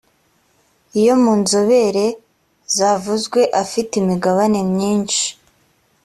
iyo umwe mu nzobere zavuzwe afite imigabane myinshi